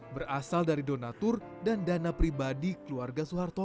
berasal dari donatur dan dana pribadi keluarga soeharto